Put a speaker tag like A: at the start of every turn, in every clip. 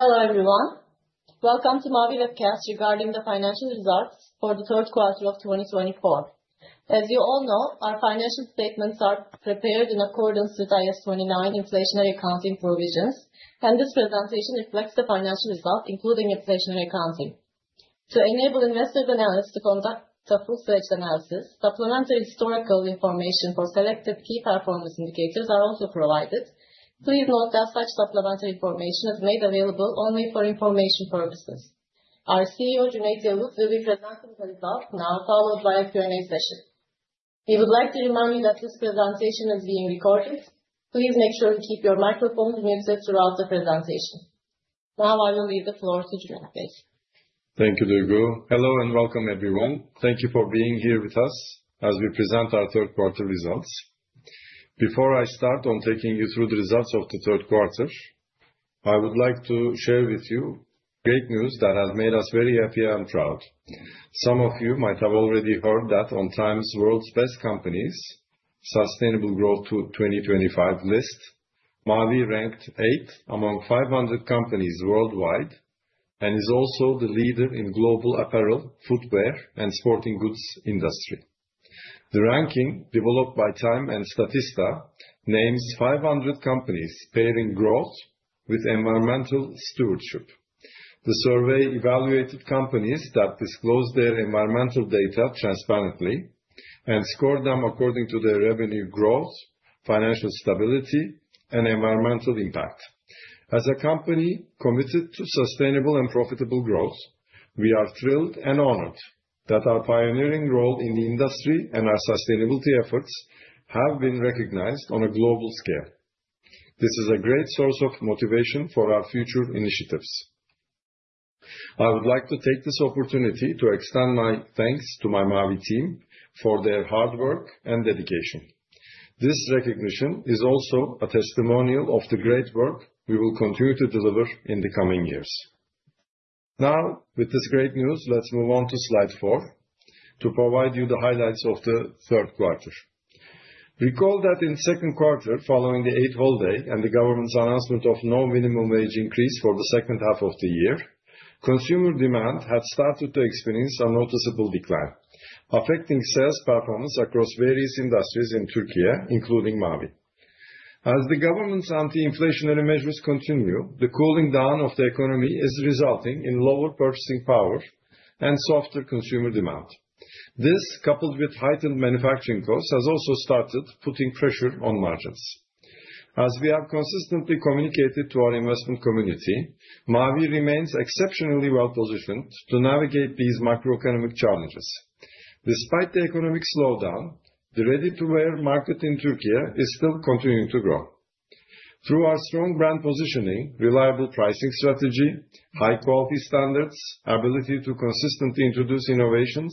A: Hello everyone, welcome to Mavi webcast regarding the financial results for the third quarter of 2024. As you all know, our financial statements are prepared in accordance with IAS 29 inflationary accounting provisions, and this presentation reflects the financial results, including inflationary accounting. To enable investors and analysts to conduct a full-fledged analysis, supplemental historical information for selected key performance indicators is also provided. Please note that such supplemental information is made available only for information purposes. Our CEO, Cüneyt Yavuz, will be presenting the results now, followed by a Q&A session. We would like to remind you that this presentation is being recorded. Please make sure to keep your microphones muted throughout the presentation. Now I will leave the floor to Cüneyt.
B: Thank you, Duygu. Hello and welcome everyone. Thank you for being here with us as we present our third quarter results. Before I start on taking you through the results of the third quarter, I would like to share with you great news that has made us very happy and proud. Some of you might have already heard that on Time's World's Best Companies Sustainable Growth to 2025 list, Mavi ranked eighth among 500 companies worldwide and is also the leader in global apparel, footwear, and sporting goods industry. The ranking, developed by Time and Statista, names 500 companies pairing growth with environmental stewardship. The survey evaluated companies that disclosed their environmental data transparently and scored them according to their revenue growth, financial stability, and environmental impact. As a company committed to sustainable and profitable growth, we are thrilled and honored that our pioneering role in the industry and our sustainability efforts have been recognized on a global scale. This is a great source of motivation for our future initiatives. I would like to take this opportunity to extend my thanks to my Mavi team for their hard work and dedication. This recognition is also a testimonial of the great work we will continue to deliver in the coming years. Now, with this great news, let's move on to slide four to provide you the highlights of the third quarter. Recall that in the second quarter, following the eighth holiday and the government's announcement of no minimum wage increase for the second half of the year, consumer demand had started to experience a noticeable decline, affecting sales performance across various industries in Türkiye, including Mavi. As the government's anti-inflationary measures continue, the cooling down of the economy is resulting in lower purchasing power and softer consumer demand. This, coupled with heightened manufacturing costs, has also started putting pressure on margins. As we have consistently communicated to our investment community, Mavi remains exceptionally well-positioned to navigate these macroeconomic challenges. Despite the economic slowdown, the ready-to-wear market in Türkiye is still continuing to grow. Through our strong brand positioning, reliable pricing strategy, high-quality standards, ability to consistently introduce innovations,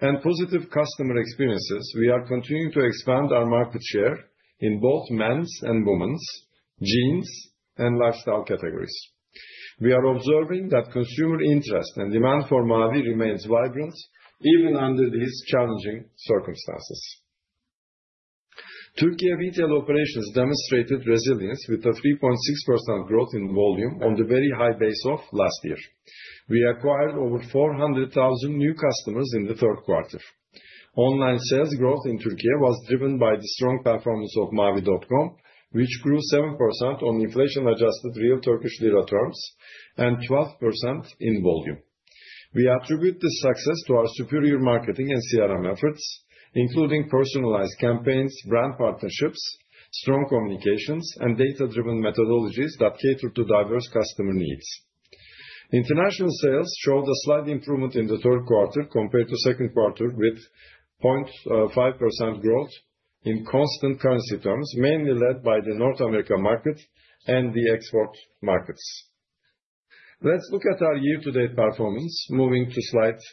B: and positive customer experiences, we are continuing to expand our market share in both men's and women's, jeans, and lifestyle categories. We are observing that consumer interest and demand for Mavi remains vibrant even under these challenging circumstances. Türkiye retail operations demonstrated resilience with a 3.6% growth in volume on the very high base of last year. We acquired over 400,000 new customers in the third quarter. Online sales growth in Türkiye was driven by the strong performance of Mavi.com, which grew 7% on inflation-adjusted real Turkish lira terms and 12% in volume. We attribute this success to our superior marketing and CRM efforts, including personalized campaigns, brand partnerships, strong communications, and data-driven methodologies that cater to diverse customer needs. International sales showed a slight improvement in the third quarter compared to the second quarter, with 0.5% growth in constant currency terms, mainly led by the North American market and the export markets. Let's look at our year-to-date performance, moving to slide six.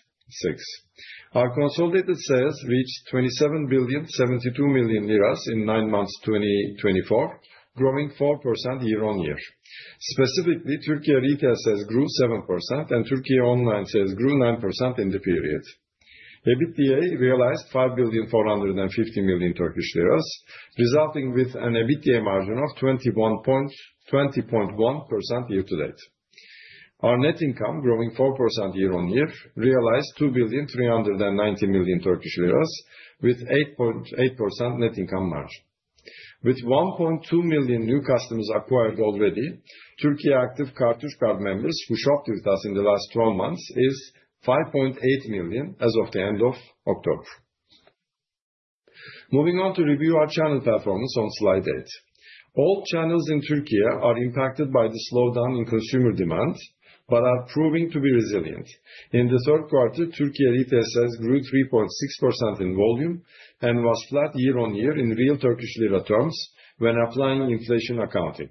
B: Our consolidated sales reached 27,072,000,000 lira in nine months 2024, growing 4% year-on-year. Specifically, Türkiye retail sales grew 7%, and Türkiye online sales grew 9% in the period. EBITDA realized 5.45 billion, resulting in an EBITDA margin of 20.1% year-to-date. Our net income, growing 4% year-on-year, realized 2.39 billion, with an 8% net income margin. With 1.2 million new customers acquired already, Türkiye active Kartuş Card members who shopped with us in the last 12 months is 5.8 million as of the end of October. Moving on to review our channel performance on slide eight. All channels in Türkiye are impacted by the slowdown in consumer demand but are proving to be resilient. In the third quarter, Türkiye retail sales grew 3.6% in volume and was flat year-on-year in real Turkish lira terms when applying inflation accounting.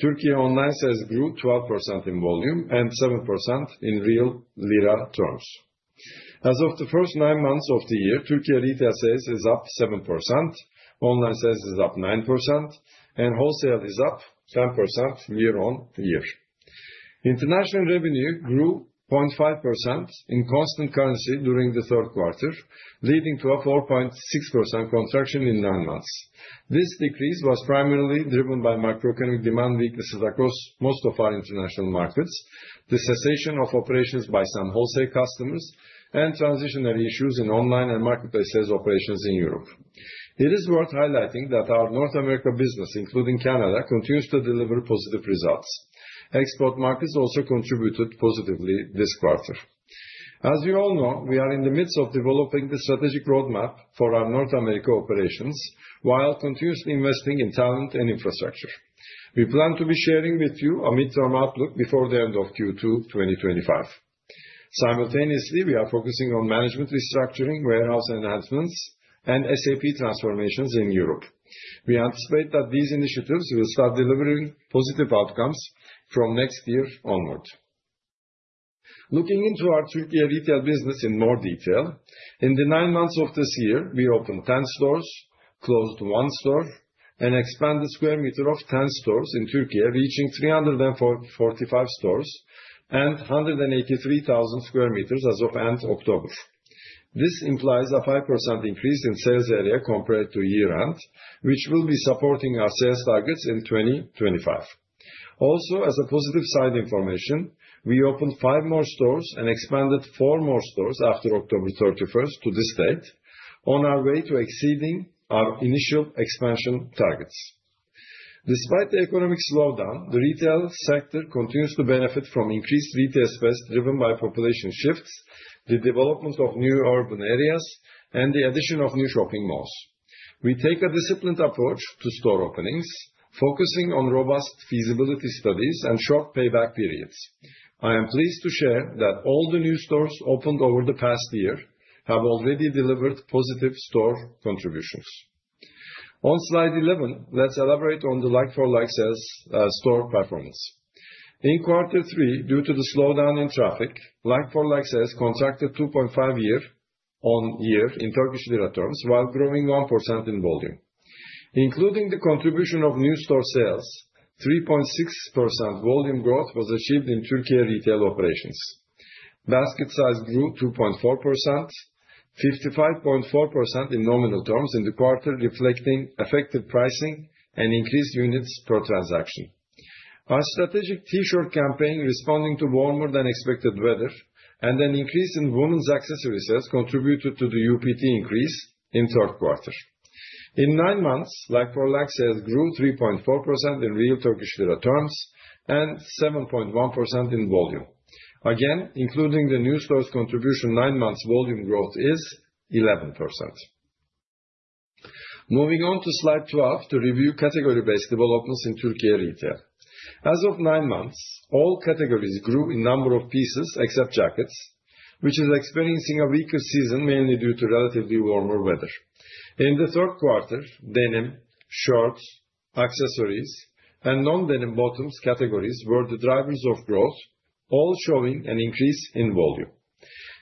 B: Türkiye online sales grew 12% in volume and 7% in real lira terms. As of the first nine months of the year, Türkiye retail sales is up 7%, online sales is up 9%, and wholesale is up 10% year-on-year. International revenue grew 0.5% in constant currency during the third quarter, leading to a 4.6% contraction in nine months. This decrease was primarily driven by macroeconomic demand weaknesses across most of our international markets, the cessation of operations by some wholesale customers, and transitionary issues in online and marketplace sales operations in Europe. It is worth highlighting that our North America business, including Canada, continues to deliver positive results. Export markets also contributed positively this quarter. As you all know, we are in the midst of developing the strategic roadmap for our North America operations while continuously investing in talent and infrastructure. We plan to be sharing with you a midterm outlook before the end of Q2 2025. Simultaneously, we are focusing on management restructuring, warehouse enhancements, and SAP transformations in Europe. We anticipate that these initiatives will start delivering positive outcomes from next year onward. Looking into our Türkiye retail business in more detail, in the nine months of this year, we opened 10 stores, closed one store, and expanded the square meters of 10 stores in Türkiye, reaching 345 stores and 183,000 square meters as of end October. This implies a 5% increase in sales area compared to year-end, which will be supporting our sales targets in 2025. Also, as a positive side information, we opened five more stores and expanded four more stores after October 31 to this date, on our way to exceeding our initial expansion targets. Despite the economic slowdown, the retail sector continues to benefit from increased retail space driven by population shifts, the development of new urban areas, and the addition of new shopping malls. We take a disciplined approach to store openings, focusing on robust feasibility studies and short payback periods. I am pleased to share that all the new stores opened over the past year have already delivered positive store contributions. On slide 11, let's elaborate on the like-for-like sales store performance. In quarter three, due to the slowdown in traffic, like-for-like sales contracted 2.5% year-on-year in Turkish lira terms while growing 1% in volume. Including the contribution of new store sales, 3.6% volume growth was achieved in Türkiye retail operations. Basket size grew 2.4%, 55.4% in nominal terms in the quarter, reflecting effective pricing and increased units per transaction. Our strategic T-shirt campaign, responding to warmer-than-expected weather and an increase in women's accessory sales, contributed to the UPT increase in the third quarter. In nine months, like-for-like sales grew 3.4% in real Turkish lira terms and 7.1% in volume. Again, including the new stores' contribution, nine months volume growth is 11%. Moving on to slide 12 to review category-based developments in Türkiye retail. As of nine months, all categories grew in number of pieces except jackets, which is experiencing a weaker season mainly due to relatively warmer weather. In the third quarter, denim, shirts, accessories, and non-denim bottoms categories were the drivers of growth, all showing an increase in volume.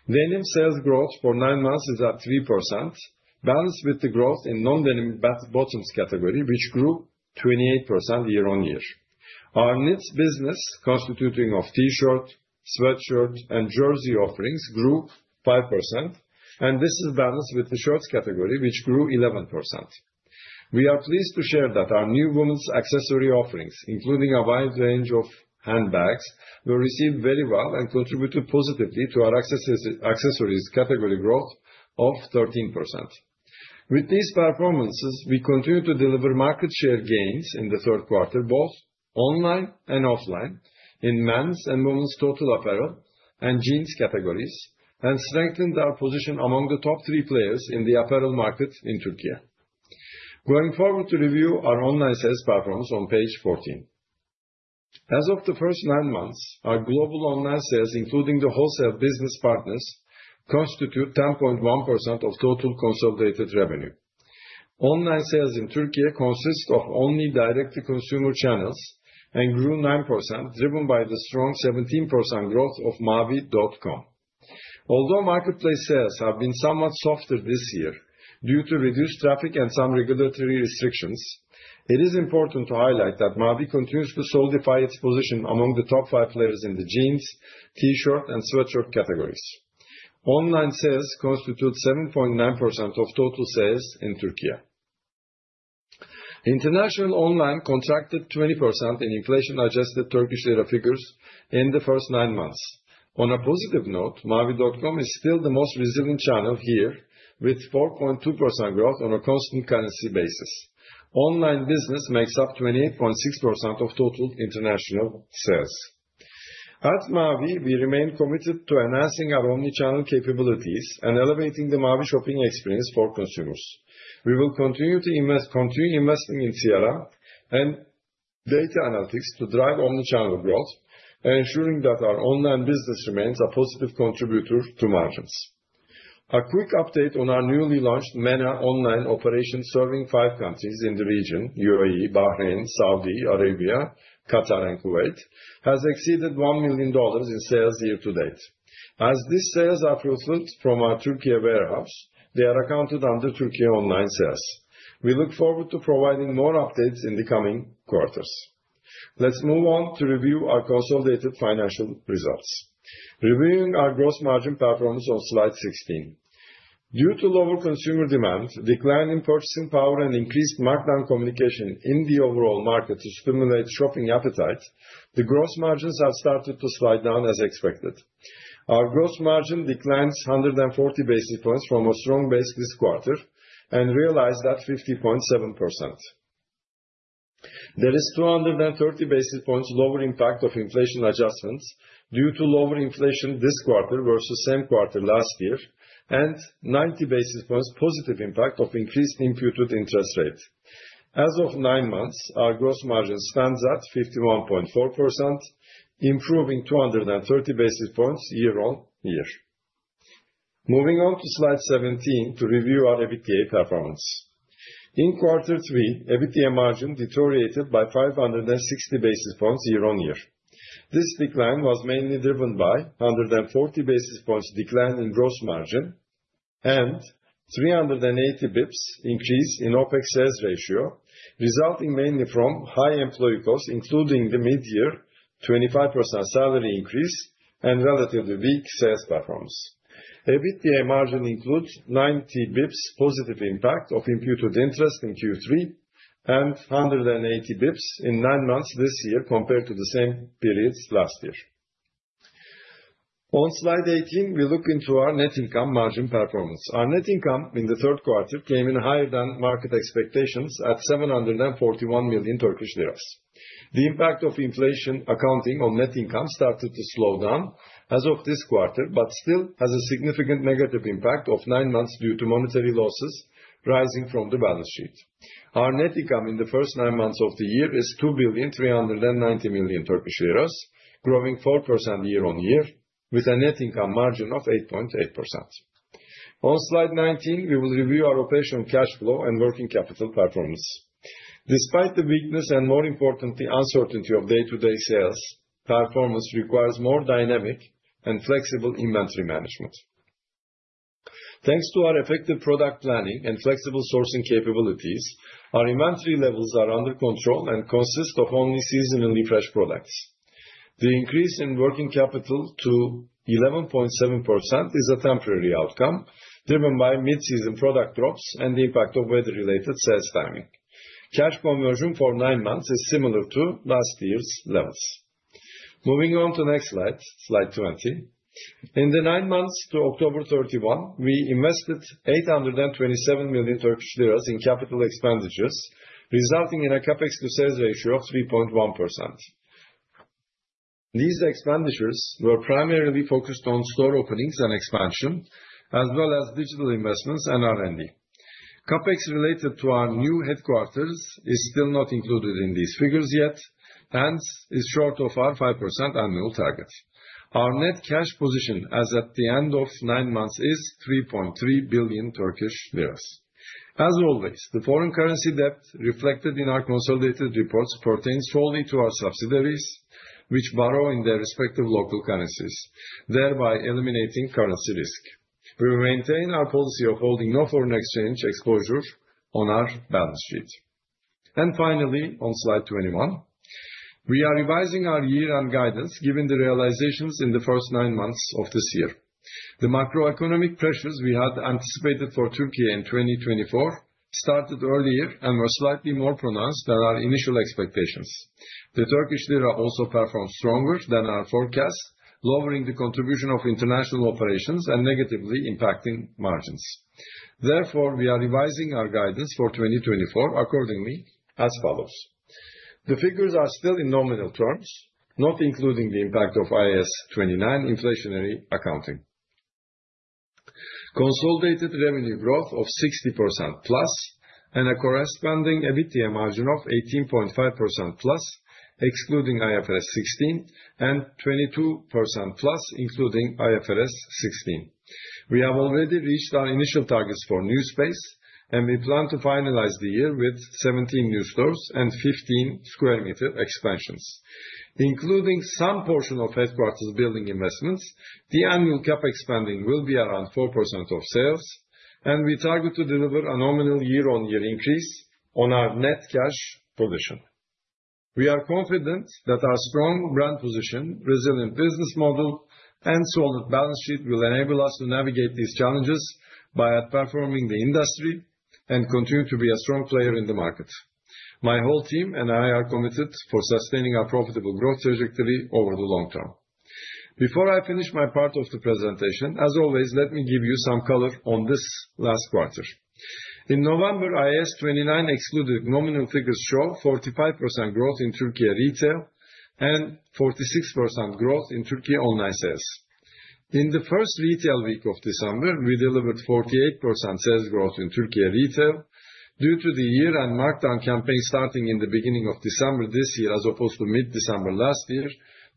B: Denim sales growth for nine months is at 3%, balanced with the growth in non-denim bottoms category, which grew 28% year-on-year. Our knit business, constituting T-shirt, sweatshirt, and jersey offerings, grew 5%, and this is balanced with the shirts category, which grew 11%. We are pleased to share that our new women's accessory offerings, including a wide range of handbags, were received very well and contributed positively to our accessories category growth of 13%. With these performances, we continue to deliver market share gains in the third quarter, both online and offline, in men's and women's total apparel and jeans categories, and strengthened our position among the top three players in the apparel market in Türkiye. Going forward to review our online sales performance on page 14. As of the first nine months, our global online sales, including the wholesale business partners, constitute 10.1% of total consolidated revenue. Online sales in Türkiye consist of only direct-to-consumer channels and grew 9%, driven by the strong 17% growth of Mavi.com. Although marketplace sales have been somewhat softer this year due to reduced traffic and some regulatory restrictions, it is important to highlight that Mavi continues to solidify its position among the top five players in the jeans, T-shirt, and sweatshirt categories. Online sales constitute 7.9% of total sales in Türkiye. International online contracted 20% in inflation-adjusted Turkish lira figures in the first nine months. On a positive note, Mavi.com is still the most resilient channel here, with 4.2% growth on a constant currency basis. Online business makes up 28.6% of total international sales. At Mavi, we remain committed to enhancing our omnichannel capabilities and elevating the Mavi shopping experience for consumers. We will continue investing in CRM and data analytics to drive omnichannel growth, ensuring that our online business remains a positive contributor to margins. A quick update on our newly launched MENA online operations serving five countries in the region: UAE, Bahrain, Saudi Arabia, Qatar, and Kuwait has exceeded $1 million in sales year-to-date. As these sales are fulfilled from our Türkiye warehouse, they are accounted under Türkiye online sales. We look forward to providing more updates in the coming quarters. Let's move on to review our consolidated financial results. Reviewing our gross margin performance on slide 16. Due to lower consumer demand, decline in purchasing power, and increased markdown communication in the overall market to stimulate shopping appetite, the gross margins have started to slide down as expected. Our gross margin declined 140 basis points from a strong base this quarter and realized at 50.7%. There is 230 basis points lower impact of inflation adjustments due to lower inflation this quarter versus same quarter last year and 90 basis points positive impact of increased imputed interest rate. As of nine months, our gross margin stands at 51.4%, improving 230 basis points year-on-year. Moving on to slide 17 to review our EBITDA performance. In quarter three, EBITDA margin deteriorated by 560 basis points year-on-year. This decline was mainly driven by 140 basis points decline in gross margin and 380 bps increase in OpEx sales ratio, resulting mainly from high employee costs, including the mid-year 25% salary increase and relatively weak sales performance. EBITDA margin includes 90 bps positive impact of imputed interest in Q3 and 180 bps in nine months this year compared to the same periods last year. On slide 18, we look into our net income margin performance. Our net income in the third quarter came in higher than market expectations at 741 million Turkish lira The impact of inflation accounting on net income started to slow down as of this quarter, but still has a significant negative impact of nine months due to monetary losses rising from the balance sheet. Our net income in the first nine months of the year is 2.39 billion, growing 4% year-on-year with a net income margin of 8.8%. On slide 19, we will review our operational cash flow and working capital performance. Despite the weakness and, more importantly, uncertainty of day-to-day sales, performance requires more dynamic and flexible inventory management. Thanks to our effective product planning and flexible sourcing capabilities, our inventory levels are under control and consist of only seasonally fresh products. The increase in working capital to 11.7% is a temporary outcome driven by mid-season product drops and the impact of weather-related sales timing. Cash conversion for nine months is similar to last year's levels. Moving on to next slide, slide 20. In the nine months to October 31, we invested 827 million Turkish lira in capital expenditures, resulting in a CapEx-to-sales ratio of 3.1%. These expenditures were primarily focused on store openings and expansion, as well as digital investments and R&D. CapEx related to our new headquarters is still not included in these figures yet and is short of our 5% annual target. Our net cash position as at the end of nine months is 3.3 billion Turkish lira. As always, the foreign currency debt reflected in our consolidated reports pertains solely to our subsidiaries, which borrow in their respective local currencies, thereby eliminating currency risk. We will maintain our policy of holding no foreign exchange exposure on our balance sheet. And finally, on slide 21, we are revising our year-end guidance given the realizations in the first nine months of this year. The macroeconomic pressures we had anticipated for Türkiye in 2024 started earlier and were slightly more pronounced than our initial expectations. The Turkish lira also performed stronger than our forecast, lowering the contribution of international operations and negatively impacting margins. Therefore, we are revising our guidance for 2024 accordingly as follows. The figures are still in nominal terms, not including the impact of IAS 29 inflationary accounting. Consolidated revenue growth of 60% plus and a corresponding EBITDA margin of 18.5% plus, excluding IFRS 16, and 22% plus, including IFRS 16. We have already reached our initial targets for new space, and we plan to finalize the year with 17 new stores and 15 square meter expansions. Including some portion of headquarters building investments, the annual CapEx spending will be around 4% of sales, and we target to deliver a nominal year-on-year increase on our net cash position. We are confident that our strong brand position, resilient business model, and solid balance sheet will enable us to navigate these challenges by outperforming the industry and continue to be a strong player in the market. My whole team and I are committed to sustaining our profitable growth trajectory over the long term. Before I finish my part of the presentation, as always, let me give you some color on this last quarter. In November, IAS 29 excluded nominal figures show 45% growth in Türkiye retail and 46% growth in Türkiye online sales. In the first retail week of December, we delivered 48% sales growth in Türkiye retail. Due to the year-end markdown campaign starting in the beginning of December this year as opposed to mid-December last year,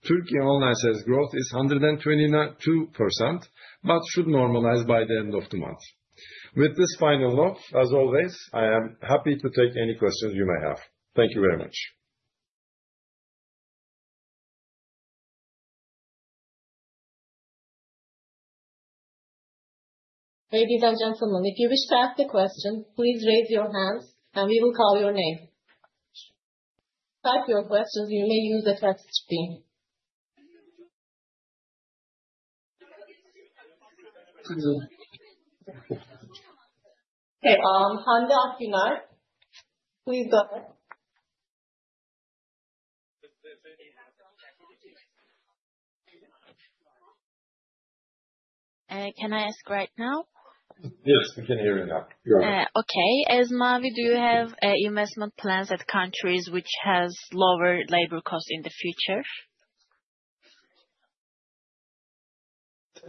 B: Türkiye online sales growth is 122%, but should normalize by the end of the month. With this final note, as always, I am happy to take any questions you may have. Thank you very much.
A: Ladies and gentlemen, if you wish to ask a question, please raise your hands and we will call your name. Type your questions. You may use the text screen. Okay, Hande Akgüner, please go ahead.
C: Can I ask right now?
B: Yes, we can hear you now.
C: Do you have investment plans at countries which have lower labor costs in the future?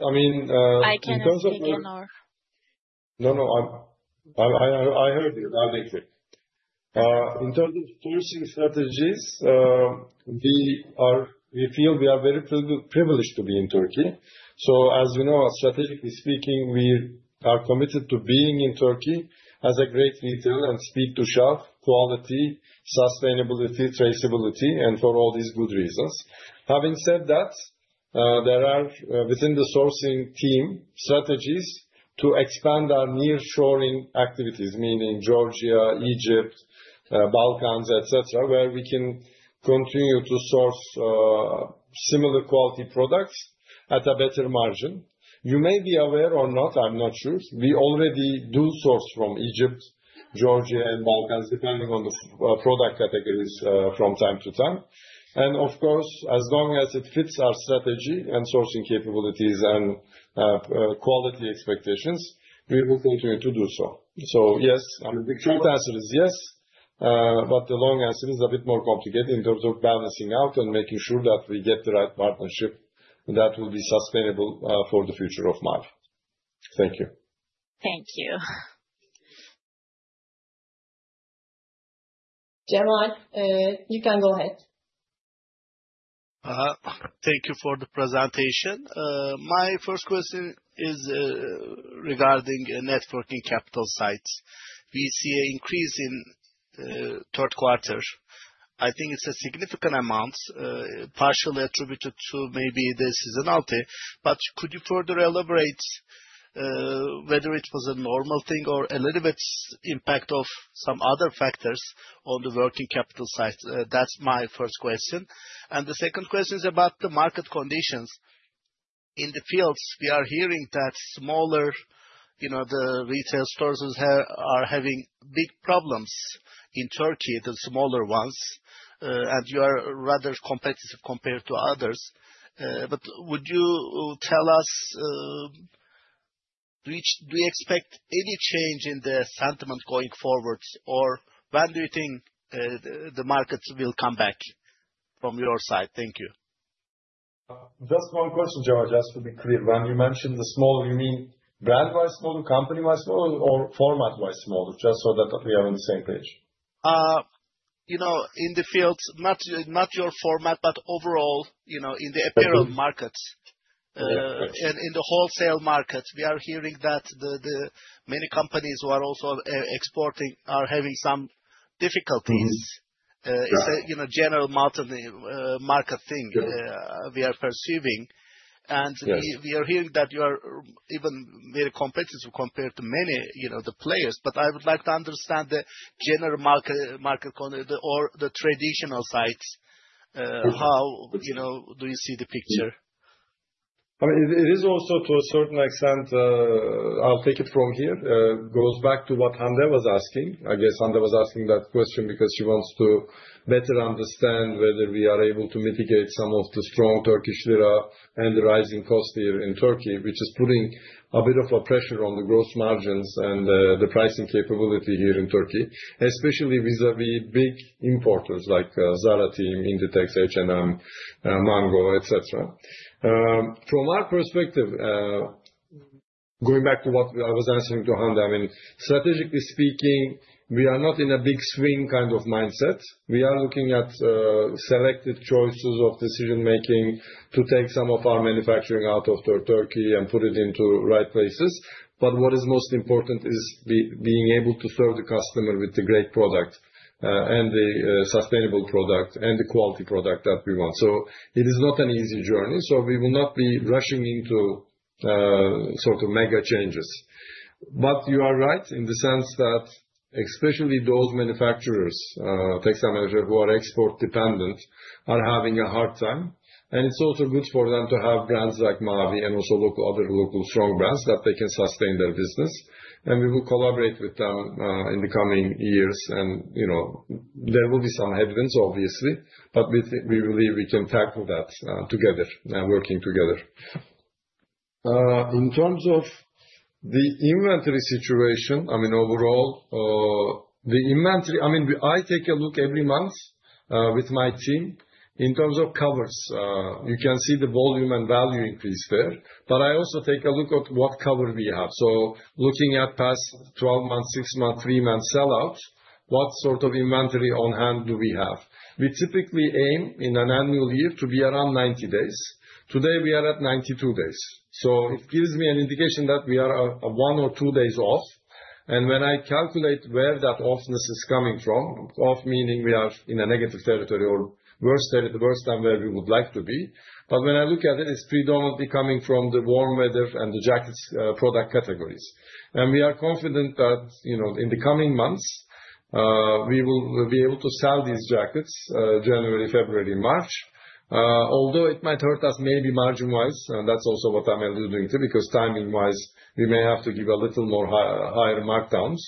B: I mean. No, no. I heard you. I'll make it. In terms of sourcing strategies, we feel we are very privileged to be in Türkiye. So, as you know, strategically speaking, we are committed to being in Türkiye as a great retailer and speed to shelf quality, sustainability, traceability, and for all these good reasons. Having said that, there are within the sourcing team strategies to expand our nearshoring activities, meaning Georgia, Egypt, Balkans, etc., where we can continue to source similar quality products at a better margin. You may be aware or not, I'm not sure. We already do source from Egypt, Georgia, and Balkans, depending on the product categories from time to time. And, of course, as long as it fits our strategy and sourcing capabilities and quality expectations, we will continue to do so. So, yes, I mean, the short answer is yes, but the long answer is a bit more complicated in terms of balancing out and making sure that we get the right partnership that will be sustainable for the future of Mavi. Thank you.
C: Thank you.
A: Cemal, you can go ahead.
D: Thank you for the presentation. My first question is regarding net working capital size. We see an increase in third quarter. I think it's a significant amount, partially attributed to maybe the seasonality. But could you further elaborate whether it was a normal thing or a little bit impact of some other factors on the working capital side? That's my first question. And the second question is about the market conditions. In the field, we are hearing that smaller retail stores are having big problems in Türkiye, the smaller ones, and you are rather competitive compared to others. But would you tell us, do you expect any change in the sentiment going forward, or when do you think the markets will come back from your side? Thank you.
B: Just one question, Cemal, just to be clear. When you mentioned the small, you mean brand-wise smaller, company-wise smaller, or format-wise smaller, just so that we are on the same page?
D: In the fields, not your format, but overall in the apparel markets and in the wholesale market, we are hearing that many companies who are also exporting are having some difficulties. It's a general market thing we are perceiving. And we are hearing that you are even very competitive compared to many of the players. But I would like to understand the general market or the traditional sites. How do you see the picture?
B: I mean, it is also to a certain extent. I'll take it from here. It goes back to what Hande was asking. I guess Hande was asking that question because she wants to better understand whether we are able to mitigate some of the strong Turkish lira and the rising cost here in Türkiye, which is putting a bit of a pressure on the gross margins and the pricing capability here in Türkiye, especially vis-à-vis big importers like Zara, INDITEX, H&M, Mango, etc. From our perspective, going back to what I was answering to Hande, I mean, strategically speaking, we are not in a big swing kind of mindset. We are looking at selected choices of decision-making to take some of our manufacturing out of Türkiye and put it into right places. But what is most important is being able to serve the customer with the great product and the sustainable product and the quality product that we want. So it is not an easy journey. We will not be rushing into sort of mega changes. But you are right in the sense that especially those manufacturers, Teksel, who are export-dependent, are having a hard time. And it's also good for them to have brands like Mavi and also other local strong brands that they can sustain their business. And we will collaborate with them in the coming years. And there will be some headwinds, obviously, but we believe we can tackle that together and working together. In terms of the inventory situation, I mean, overall, the inventory, I mean, I take a look every month with my team. In terms of covers, you can see the volume and value increase there. But I also take a look at what cover we have. So looking at past 12 months, six months, three months sellout, what sort of inventory on hand do we have? We typically aim in an annual year to be around 90 days. Today, we are at 92 days. So it gives me an indication that we are one or two days off. And when I calculate where that offness is coming from, off meaning we are in a negative territory or worst time where we would like to be. But when I look at it, it's predominantly coming from the warm weather and the jackets product categories. And we are confident that in the coming months, we will be able to sell these jackets January, February, March, although it might hurt us maybe margin-wise. And that's also what I'm alluding to because timing-wise, we may have to give a little more higher markdowns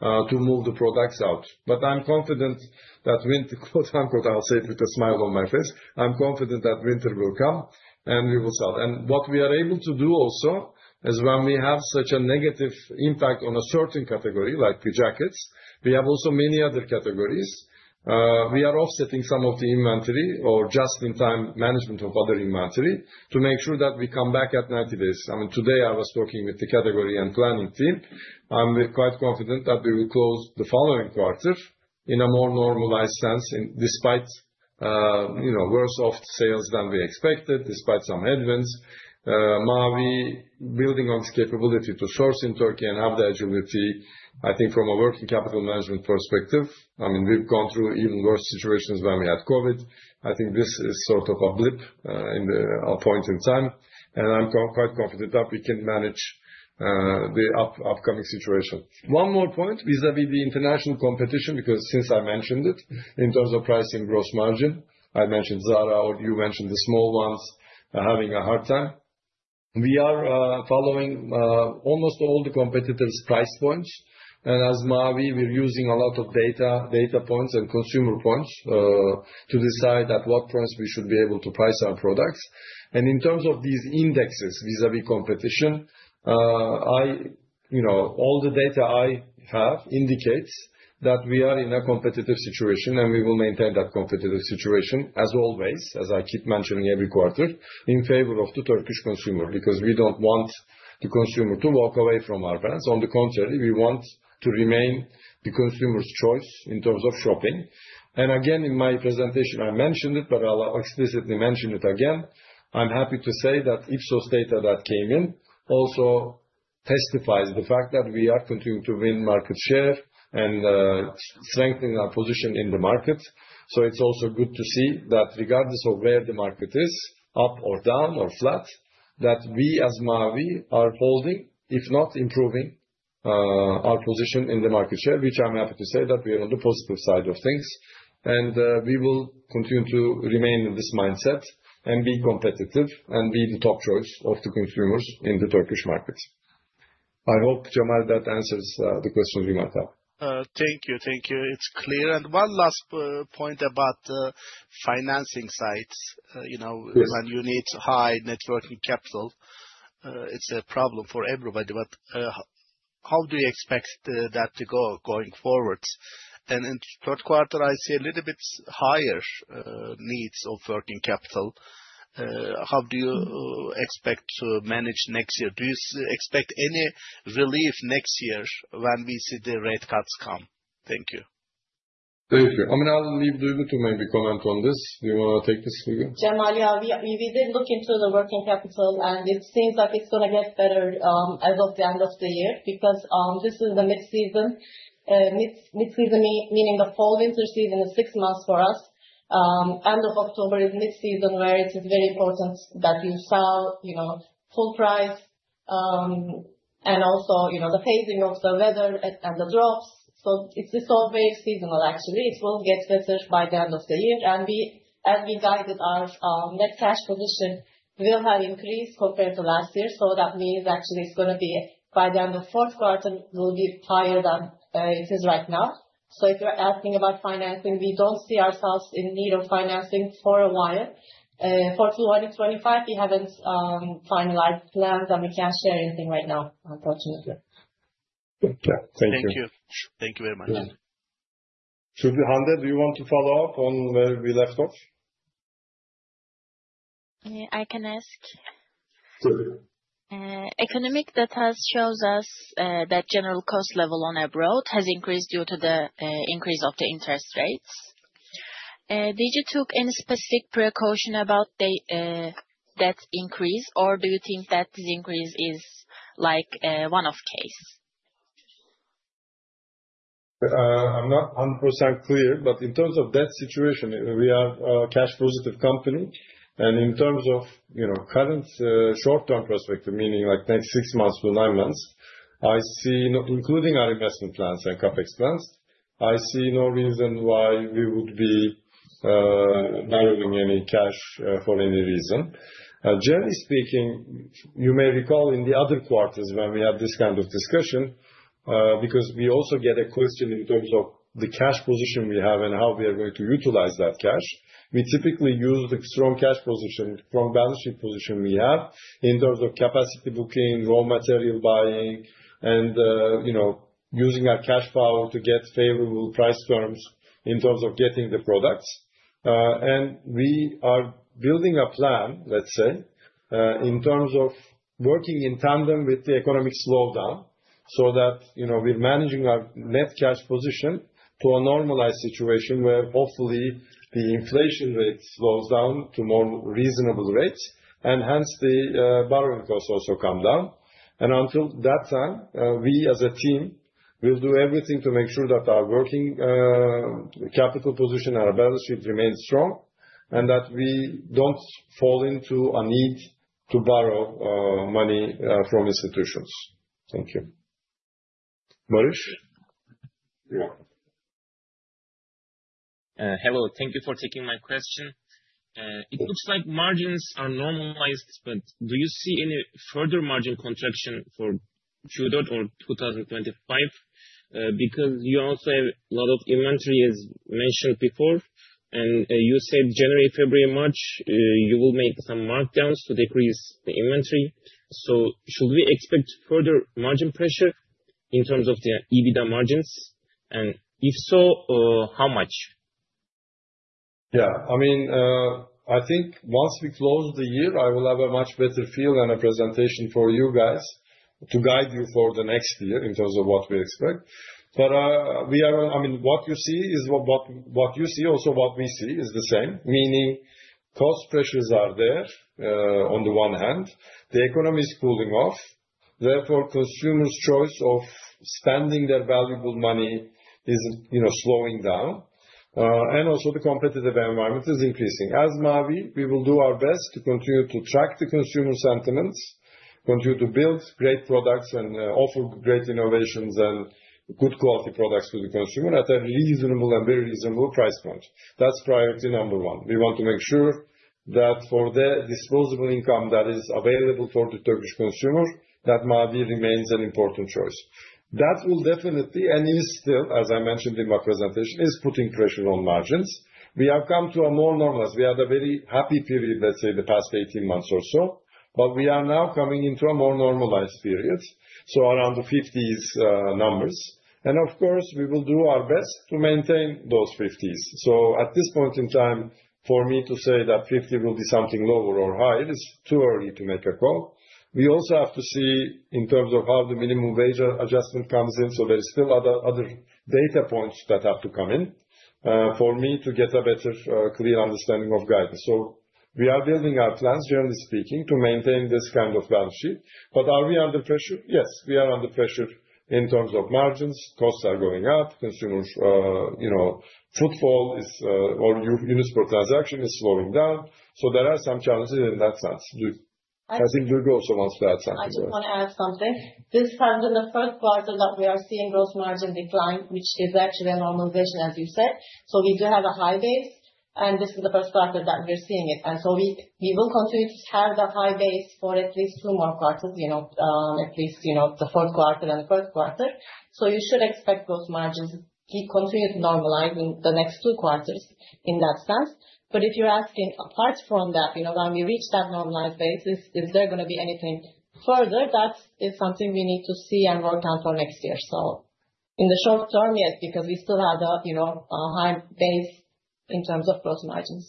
B: to move the products out. But I'm confident that winter, quote-unquote—I'll say it with a smile on my face—I'm confident that winter will come and we will sell. And what we are able to do also is when we have such a negative impact on a certain category like jackets, we have also many other categories. We are offsetting some of the inventory or just-in-time management of other inventory to make sure that we come back at 90 days. I mean, today, I was talking with the category and planning team. I'm quite confident that we will close the following quarter in a more normalized sense despite worse-off sales than we expected, despite some headwinds. Mavi, building on its capability to source in Türkiye and have the agility, I think from a working capital management perspective, I mean, we've gone through even worse situations when we had COVID. I think this is sort of a blip in the point in time, and I'm quite confident that we can manage the upcoming situation. One more point vis-à-vis the international competition, because since I mentioned it, in terms of pricing gross margin, I mentioned Zara, or you mentioned the small ones having a hard time. We are following almost all the competitors' price points. And as Mavi, we're using a lot of data points and consumer points to decide at what points we should be able to price our products. In terms of these indexes vis-à-vis competition, all the data I have indicates that we are in a competitive situation, and we will maintain that competitive situation as always, as I keep mentioning every quarter, in favor of the Turkish consumer because we don't want the consumer to walk away from our brands. On the contrary, we want to remain the consumer's choice in terms of shopping. And again, in my presentation, I mentioned it, but I'll explicitly mention it again. I'm happy to say that Ipsos data that came in also testifies the fact that we are continuing to win market share and strengthen our position in the market. So it's also good to see that regardless of where the market is, up or down or flat, that we as Mavi are holding, if not improving, our position in the market share, which I'm happy to say that we are on the positive side of things. And we will continue to remain in this mindset and be competitive and be the top choice of the consumers in the Turkish market. I hope, Cemal, that answers the questions you might have.
D: Thank you. Thank you. It's clear. And one last point about the financing side. When you need high working capital, it's a problem for everybody. But how do you expect that to go going forward? And in third quarter, I see a little bit higher needs of working capital. How do you expect to manage next year? Do you expect any relief next year when we see the rate cuts come? Thank you.
B: Thank you. I mean, I'll leave Duygu to maybe comment on this. Do you want to take this, Duygu?
A: Cemal, yeah, we did look into the working capital, and it seems like it's going to get better as of the end of the year because this is the mid-season, mid-season meaning the fall-winter season is six months for us. End of October is mid-season where it is very important that you sell full price and also the phasing of the weather and the drops. So it's all very seasonal, actually. It will get better by the end of the year. And as we guided our net cash position, we'll have increased compared to last year. So that means actually it's going to be by the end of fourth quarter, it will be higher than it is right now. So if you're asking about financing, we don't see ourselves in need of financing for a while. For 2025, we haven't finalized plans that we can share anything right now, unfortunately.
D: Okay. Thank you.
B: Thank you.
D: Thank you very much.
B: Should we? Hande, do you want to follow up on where we left off?
C: I can ask. Economic data shows us that general cost level abroad has increased due to the increase of the interest rates. Did you take any specific precaution about that increase, or do you think that this increase is one-off case?
B: I'm not 100% clear, but in terms of that situation, we are a cash-positive company. In terms of current short-term perspective, meaning like next six months to nine months, including our investment plans and CapEx plans, I see no reason why we would be narrowing any cash for any reason. Generally speaking, you may recall in the other quarters when we had this kind of discussion because we also get a question in terms of the cash position we have and how we are going to utilize that cash. We typically use the strong cash position, strong balance sheet position we have in terms of capacity booking, raw material buying, and using our cash power to get favorable price terms in terms of getting the products. We are building a plan, let's say, in terms of working in tandem with the economic slowdown so that we're managing our net cash position to a normalized situation where hopefully the inflation rate slows down to more reasonable rates and hence the borrowing costs also come down. Until that time, we as a team will do everything to make sure that our working capital position, our balance sheet remains strong and that we don't fall into a need to borrow money from institutions. Thank you. Marish?
E: Hello. Thank you for taking my question. It looks like margins are normalized, but do you see any further margin contraction for Q3 or 2025? Because you also have a lot of inventory, as mentioned before, and you said January, February, March, you will make some markdowns to decrease the inventory. So should we expect further margin pressure in terms of the EBITDA margins? And if so, how much?
B: Yeah. I mean, I think once we close the year, I will have a much better feel and a presentation for you guys to guide you for the next year in terms of what we expect. But I mean, what you see is what you see also, what we see is the same, meaning cost pressures are there on the one hand. The economy is cooling off. Therefore, consumers' choice of spending their valuable money is slowing down. And also the competitive environment is increasing. As Mavi, we will do our best to continue to track the consumer sentiments, continue to build great products and offer great innovations and good quality products to the consumer at a reasonable and very reasonable price point. That's priority number one. We want to make sure that for the disposable income that is available for the Turkish consumer, that Mavi remains an important choice. That will definitely, and is still, as I mentioned in my presentation, is putting pressure on margins. We have come to a more normalized. We had a very happy period, let's say, the past 18 months or so, but we are now coming into a more normalized period, so around the 50s numbers. And of course, we will do our best to maintain those 50s. So at this point in time, for me to say that 50 will be something lower or higher is too early to make a call. We also have to see in terms of how the minimum wage adjustment comes in. So there are still other data points that have to come in for me to get a better clear understanding of guidance. So we are building our plans, generally speaking, to maintain this kind of balance sheet. But are we under pressure? Yes, we are under pressure in terms of margins. Costs are going up. Consumer footfall or unit per transaction is slowing down. So there are some challenges in that sense. I think Duygu also wants to add something.
A: I just want to add something. This happened in the first quarter that we are seeing gross margin decline, which is actually a normalization, as you said. So we do have a high base, and this is the first quarter that we're seeing it. And so we will continue to have the high base for at least two more quarters, at least the fourth quarter and the first quarter. So you should expect those margins to keep continuing to normalize in the next two quarters in that sense. But if you're asking apart from that, when we reach that normalized base, is there going to be anything further? That is something we need to see and work on for next year. So in the short term, yes, because we still have a high base in terms of gross margins.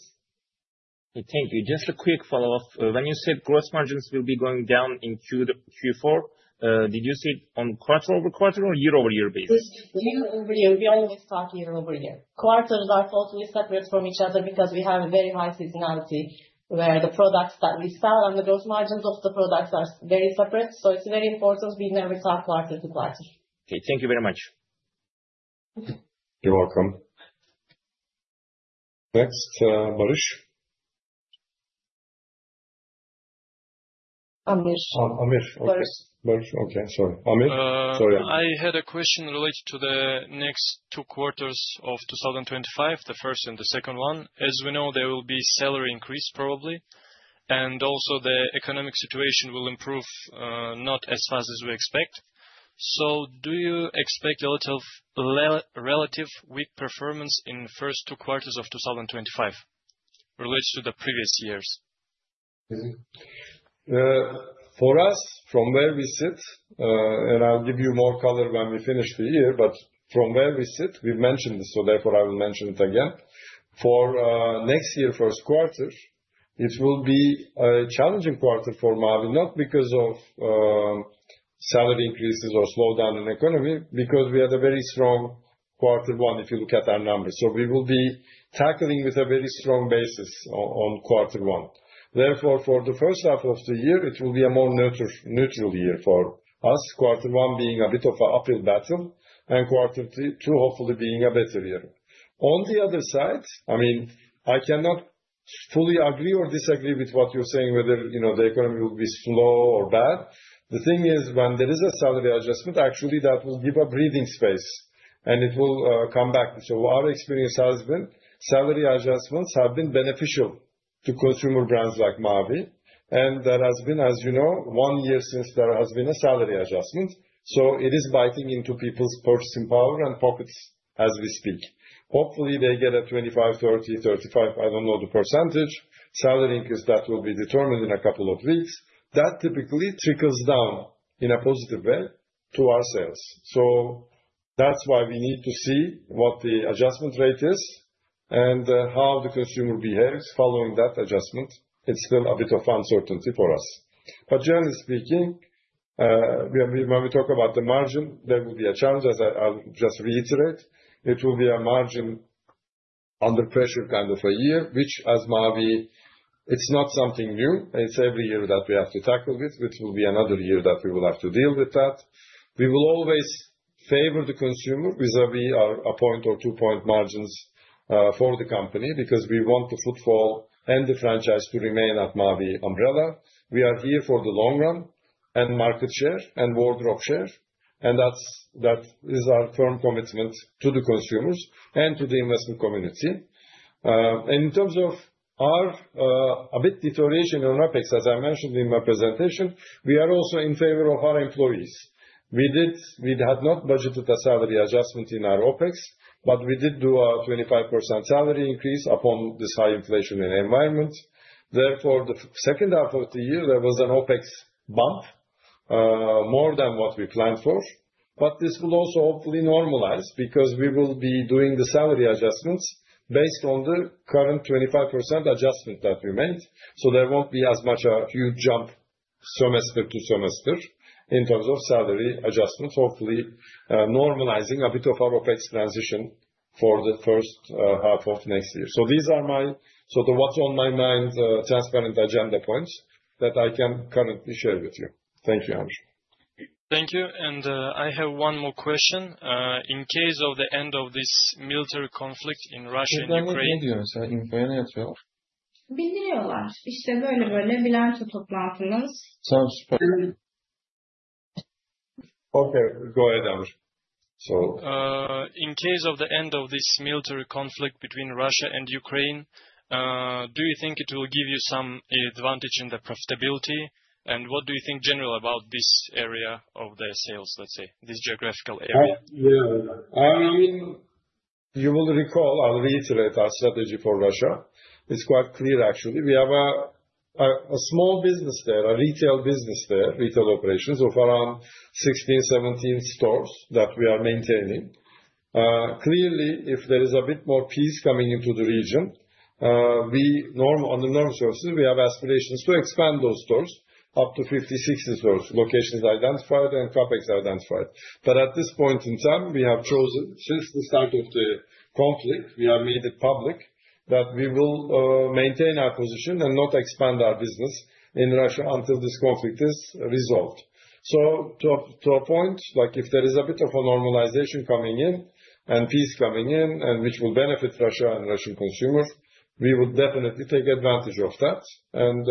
E: Thank you. Just a quick follow-up. When you said gross margins will be going down in Q4, did you see it on quarter-over-quarter or year-over-year basis?
A: Year-over-year. We always talk year-over-year. Quarters are totally separate from each other because we have a very high seasonality where the products that we sell and the gross margins of the products are very separate. So it's very important we never talk quarter to quarter.
E: Okay. Thank you very much.
B: You're welcome. Next, Marish?
A: Amir.
B: Amir, okay. Marish, okay. Sorry. Amir, sorry.
F: I had a question related to the next two quarters of 2025, the first and the second one. As we know, there will be salary increase probably, and also the economic situation will improve not as fast as we expect, so do you expect a lot of relative weak performance in the first two quarters of 2025 related to the previous years?
B: For us, from where we sit, and I'll give you more color when we finish the year, but from where we sit, we've mentioned this, so therefore I will mention it again. For next year, first quarter, it will be a challenging quarter for Mavi, not because of salary increases or slowdown in the economy, because we had a very strong quarter one if you look at our numbers, so we will be tackling with a very strong basis on quarter one. Therefore, for the first half of the year, it will be a more neutral year for us, quarter one being a bit of an uphill battle and quarter two, hopefully, being a better year. On the other side, I mean, I cannot fully agree or disagree with what you're saying, whether the economy will be slow or bad. The thing is, when there is a salary adjustment, actually, that will give a breathing space, and it will come back. So our experience has been salary adjustments have been beneficial to consumer brands like Mavi. And there has been, as you know, one year since there has been a salary adjustment. So it is biting into people's purchasing power and pockets as we speak. Hopefully, they get a 25%, 30%, 35%, I don't know the percentage salary increase that will be determined in a couple of weeks. That typically trickles down in a positive way to our sales. So that's why we need to see what the adjustment rate is and how the consumer behaves following that adjustment. It's still a bit of uncertainty for us. But generally speaking, when we talk about the margin, there will be a challenge, as I'll just reiterate. It will be a margin under pressure kind of a year, which, as Mavi, it's not something new. It's every year that we have to tackle with, which will be another year that we will have to deal with that. We will always favor the consumer vis-à-vis a point or two-point margins for the company because we want the footfall and the franchise to remain at Mavi umbrella. We are here for the long run and market share and wardrobe share. That is our firm commitment to the consumers and to the investment community. In terms of our a bit of deterioration on OpEx, as I mentioned in my presentation, we are also in favor of our employees. We had not budgeted a salary adjustment in our OpEx, but we did do a 25% salary increase upon this high inflation in the environment. Therefore, the second half of the year, there was an OpEx bump more than what we planned for. This will also hopefully normalize because we will be doing the salary adjustments based on the current 25% adjustment that we made. There won't be such a huge jump semester to semester in terms of salary adjustments, hopefully normalizing a bit of our OpEx transition for the first half of next year. So these are my sort of what's on my mind transparent agenda points that I can currently share with you. Thank you, Amir.
F: Thank you. And I have one more question. In case of the end of this military conflict between Russia and Ukraine, do you think it will give you some advantage in the profitability? And what do you think generally about this area of their sales, let's say, this geographical area?
B: Yeah. I mean, you will recall I'll reiterate our strategy for Russia. It's quite clear, actually. We have a small business there, a retail business there, retail operations of around 16, 17 stores that we are maintaining. Clearly, if there is a bit more peace coming into the region, on the normal services, we have aspirations to expand those stores up to 56 in stores, locations identified and CapEx identified, but at this point in time, we have chosen since the start of the conflict, we have made it public that we will maintain our position and not expand our business in Russia until this conflict is resolved, so to a point, if there is a bit of a normalization coming in and peace coming in, which will benefit Russia and Russian consumers, we would definitely take advantage of that and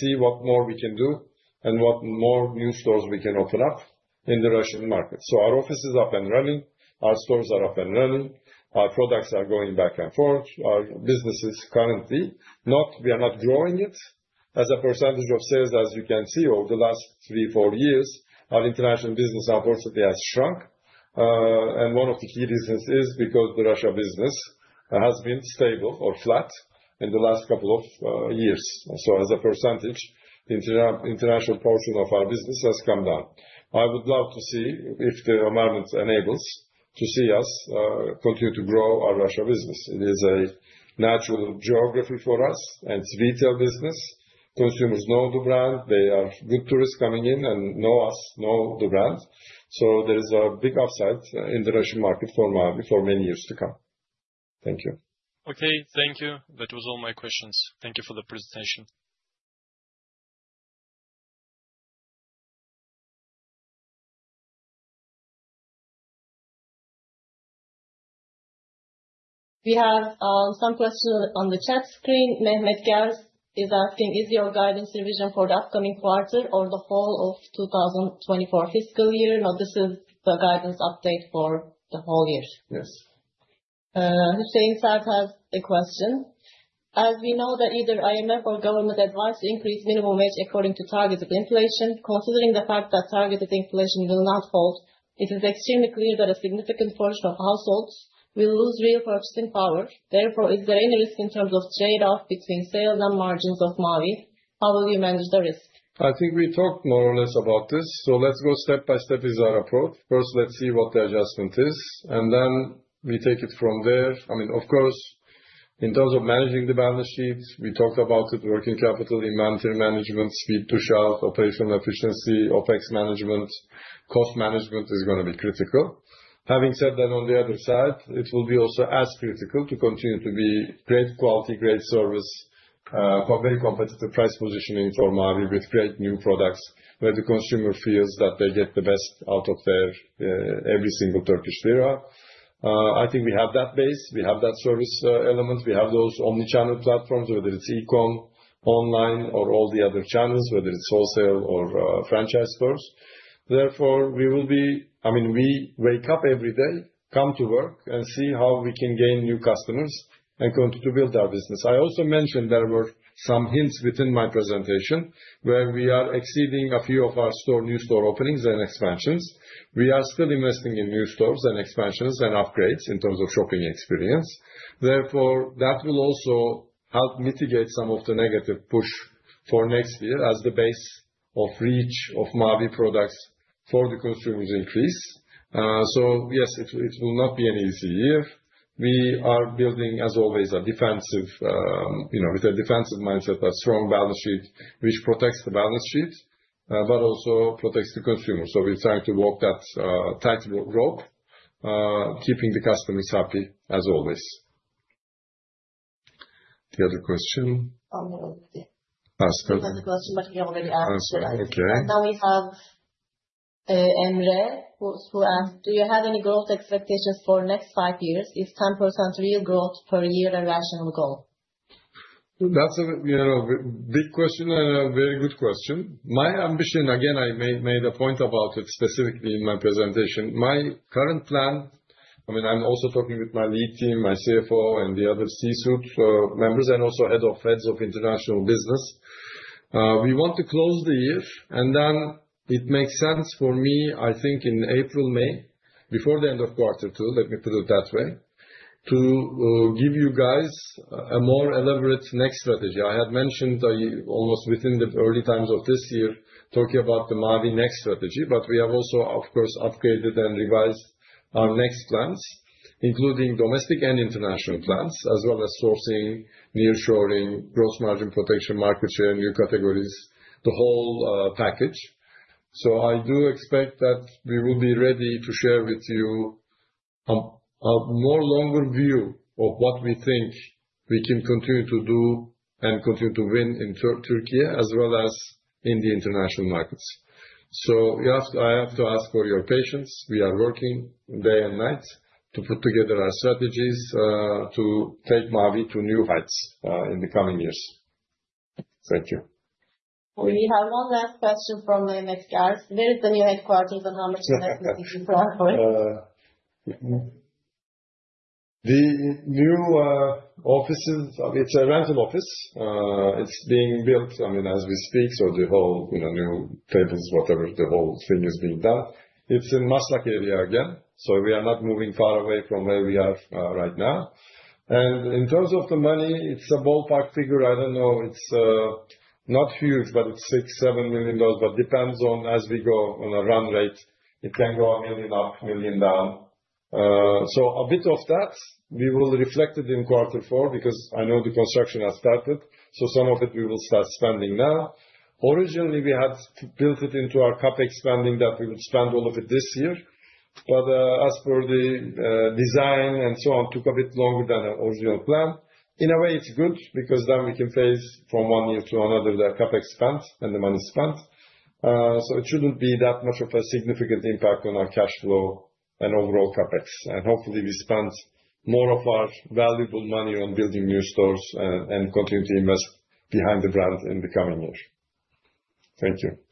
B: see what more we can do and what more new stores we can open up in the Russian market, so our office is up and running. Our stores are up and running. Our products are going back and forth. Our businesses currently, we are not growing it. As a percentage of sales, as you can see over the last three, four years, our international business, unfortunately, has shrunk. And one of the key reasons is because the Russia business has been stable or flat in the last couple of years. So as a percentage, the international portion of our business has come down. I would love to see if the environment enables to see us continue to grow our Russia business. It is a natural geography for us. It's a retail business. Consumers know the brand. They are good tourists coming in and know us, know the brand. So there is a big upside in the Russian market for Mavi for many years to come. Thank you.
F: Okay. Thank you. That was all my questions. Thank you for the presentation.
A: we have some questions on the chat screen. Mehmet Gerz is asking is your guidance provision for the upcoming quarter or the whole of 2024 fiscal year. no this the guidance update for the whole year. hüseyin sarp has a question. As we know that either IMF or government advice to increase minimum wage according to targeted inflation, considering the fact that targeted inflation will not hold, it is extremely clear that a significant portion of households will lose real purchasing power. Therefore, is there any risk in terms of trade-off between sales and margins of Mavi? How will you manage the risk?
B: I think we talked more or less about this, so let's go step by step with our approach. First, let's see what the adjustment is, and then we take it from there. I mean, of course, in terms of managing the balance sheet, we talked about it, working capital, inventory management, speed to shelf, operational efficiency, OpEx management, cost management is going to be critical. Having said that, on the other side, it will be also as critical to continue to be great quality, great service, very competitive price positioning for Mavi with great new products where the consumer feels that they get the best out of their every single Turkish lira. I think we have that base. We have that service element. We have those omnichannel platforms, whether it's e-comm, online, or all the other channels, whether it's wholesale or franchise stores. Therefore, we will be, I mean, we wake up every day, come to work, and see how we can gain new customers and continue to build our business. I also mentioned there were some hints within my presentation where we are exceeding a few of our new store openings and expansions. We are still investing in new stores and expansions and upgrades in terms of shopping experience. Therefore, that will also help mitigate some of the negative push for next year as the base of reach of Mavi products for the consumers increase. So yes, it will not be an easy year. We are building, as always, a defensive with a defensive mindset, a strong balance sheet, which protects the balance sheet, but also protects the consumer. So we're trying to walk that tight rope, keeping the customers happy, as always. The other question.
A: I'll ask the question, but he already asked it. And now we have Emre who asked, do you have any growth expectations for next five years? Is 10% real growth per year a rational goal?
B: That's a big question and a very good question. My ambition, again, I made a point about it specifically in my presentation. My current plan, I mean, I'm also talking with my lead team, my CFO, and the other C-suite members and also heads of international business. We want to close the year, and then it makes sense for me, I think, in April, May, before the end of quarter two, let me put it that way, to give you guys a more elaborate next strategy. I had mentioned almost within the early times of this year, talking about the Mavi next strategy, but we have also, of course, upgraded and revised our next plans, including domestic and international plans, as well as sourcing, nearshoring, gross margin protection, market share, new categories, the whole package. So I do expect that we will be ready to share with you a more longer view of what we think we can continue to do and continue to win in Turkey as well as in the international markets. So I have to ask for your patience. We are working day and night to put together our strategies to take Mavi to new heights in the coming years. Thank you.
A: We have one last question from Mehmet Gerz. Where is the new headquarters and how much is it?
B: The new offices, it's a rental office. It's being built, I mean, as we speak. So the whole new tables, whatever the whole thing is being done. It's in Maslak area again. So we are not moving far away from where we are right now. And in terms of the money, it's a ballpark figure. I don't know. It's not huge, but it's TRY 6 million-7 million, but it depends on as we go on a run rate. It can go 1 million up, 1 million down. So a bit of that, we will reflect it in quarter four because I know the construction has started. So some of it we will start spending now. Originally, we had built it into our CapEx spending that we would spend all of it this year. But as per the design and so on, it took a bit longer than our original plan. In a way, it's good because then we can phase from one year to another the CapEx spent and the money spent. So it shouldn't be that much of a significant impact on our cash flow and overall CapEx. And hopefully, we spend more of our valuable money on building new stores and continue to invest behind the brand in the coming year. Thank you.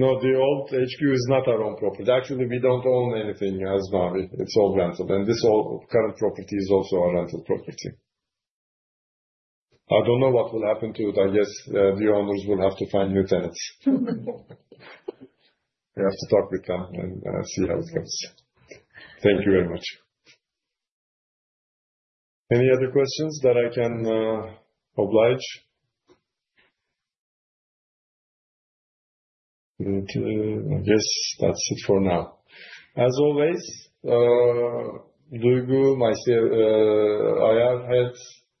B: No, the old HQ is not our own property. Actually, we don't own anything as Mavi. It's all rental. And this current property is also our rental property. I don't know what will happen to it. I guess the owners will have to find new tenants. We have to talk with them and see how it goes. Thank you very much. Any other questions that I can oblige? I guess that's it for now. As always, Duygu, my CFO,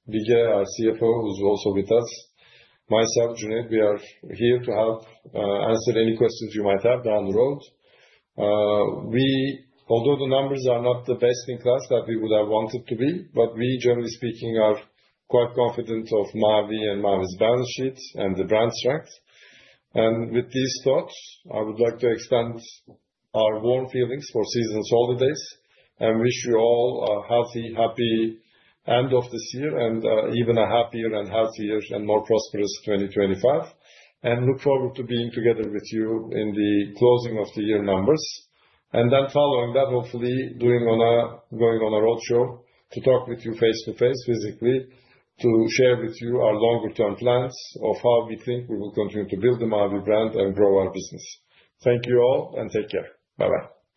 B: Bige Aksaray, our CFO, who's also with us, myself, Cüneyt, we are here to help answer any questions you might have down the road. Although the numbers are not the best in class that we would have wanted to be, but we, generally speaking, are quite confident of Mavi and Mavi's balance sheet and the brand strength, and with these thoughts, I would like to extend our warm feelings for season's holidays and wish you all a healthy, happy end of this year and even a happier and healthier and more prosperous 2025, and look forward to being together with you in the closing of the year numbers, and then following that, hopefully, going on a roadshow to talk with you face to face, physically, to share with you our longer-term plans of how we think we will continue to build the Mavi brand and grow our business. Thank you all and take care. Bye-bye.